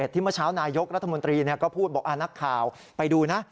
เมื่อเช้านายกรัฐมนตรีก็พูดบอกนักข่าวไปดูนะ